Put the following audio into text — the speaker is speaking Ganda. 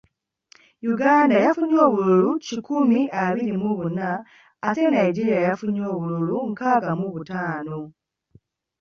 Uganda yafunye obululu kikumi abiri mu buna ate Nigeria yafunye obululu nkaaga mu butaano.